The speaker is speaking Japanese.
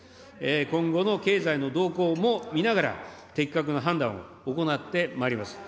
今後の経済の動向も見ながら、的確な判断を行ってまいります。